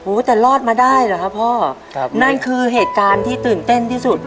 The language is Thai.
แต่รอดมาได้เหรอครับพ่อครับนั่นคือเหตุการณ์ที่ตื่นเต้นที่สุด